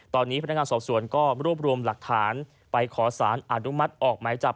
ตอนนี้พนักงานสอบสวนก็รวบรวมหลักฐานไปขอสารอนุมัติออกหมายจับ